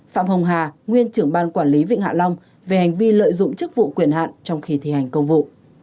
phạm hồng hà nguyên trưởng ban quản lý vịnh hạ long về hành vi lợi dụng chức vụ quyền hạn trong khi thi hành công vụ